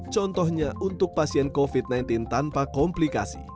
contohnya untuk pasien covid sembilan belas tanpa komplikasi